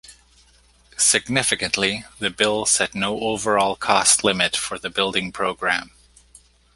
Significantly, the bill set no overall cost limit for the building program.